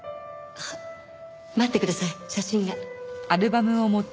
あっ待ってください写真が。